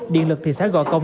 điện lực thị xã gò công